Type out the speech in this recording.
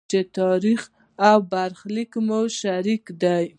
چې تاریخ او برخلیک مو شریک دی.